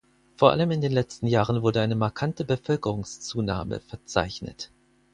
Vor allem in den letzten Jahren wurde eine markante Bevölkerungszunahme verzeichnet.